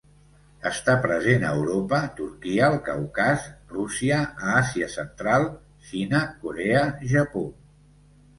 Està present a Europa, Turquia, el Caucas, Rússia a Àsia Central, Xina, Corea, Japó.